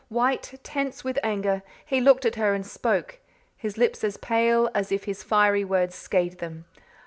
White, tense with his anger, he looked at her and spoke, his lips as pale as if his fiery words scathed them.